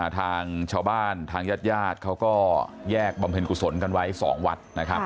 ทางชาวบ้านทางญาติญาติเขาก็แยกบำเพ็ญกุศลกันไว้๒วัดนะครับ